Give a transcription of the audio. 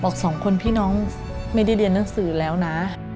สองคนพี่น้องไม่ได้เรียนหนังสือแล้วนะ